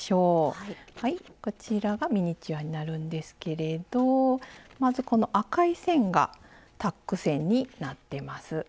こちらがミニチュアになるんですけれどまずこの赤い線がタック線になってます。